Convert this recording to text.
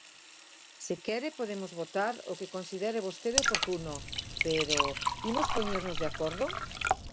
Se quere podemos votar o que considere vostede oportuno, pero ¿imos poñernos de acordo?